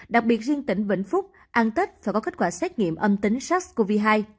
đặc biệt riêng tỉnh vĩnh phúc ăn tết và có kết quả xét nghiệm âm tính sars cov hai